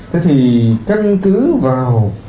thế thì căn cứ vào